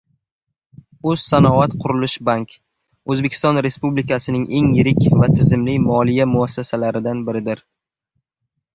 “O‘zsanoatqurilishbank” O‘zbekiston Respublikasining eng yirik va tizimli moliya muassasalaridan biridir